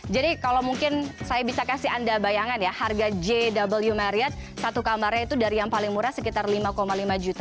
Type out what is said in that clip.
jadi kalau mungkin saya bisa kasih anda bayangan ya harga jw marriott satu kamarnya itu dari yang paling murah sekitar rp lima lima ratus